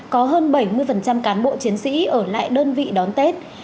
có hơn bảy mươi cán bộ chiến sĩ ở lại đơn vị đón tết